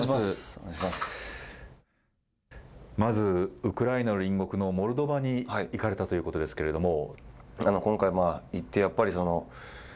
まず、ウクライナの隣国のモルドバに行かれたということですけれども。